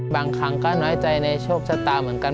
บางครั้งก็น้อยใจในโชคชะตาเหมือนกัน